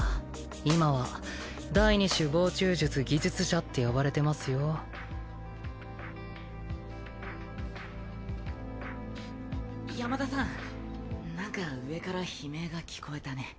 今は第二種房中術技術者って呼ばれてますよ山田さん何か上から悲鳴が聞こえたね